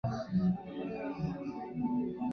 现效力于中国足球甲级联赛球队浙江毅腾。